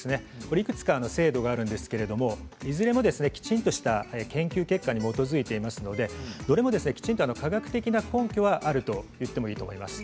いくつか成分があるんですがいずれもきちんとした研究結果に基づいていますのでどれもきちんと科学的な根拠はあると言ってもいいと思います。